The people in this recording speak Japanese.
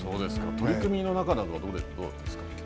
取組の中などはどうですか。